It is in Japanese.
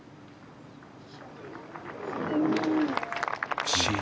惜しい。